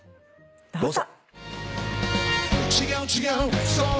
どうぞ。